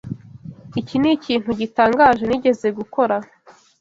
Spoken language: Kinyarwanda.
Iki nikintu gitangaje nigeze gukora.